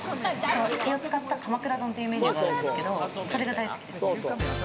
使った鎌倉丼っていうのがあるんですけどそれが大好きです。